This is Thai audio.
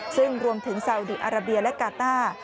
ซึ่งรวมถึงซาอุดีอาราเบียและกาต้า